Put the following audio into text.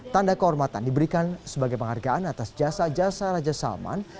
tanda kehormatan diberikan sebagai penghargaan atas jasa jasa raja salman